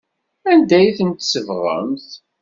Anda ay tent-tsebɣemt?